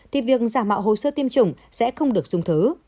thì việc giả mạo hồ sơ tiêm chủng sẽ không được dung thứ